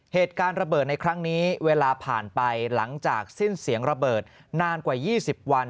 เหตุการณ์ระเบิดในครั้งนี้เวลาผ่านไปหลังจากสิ้นเสียงระเบิดนานกว่า๒๐วัน